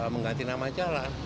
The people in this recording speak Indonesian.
mengganti nama jalan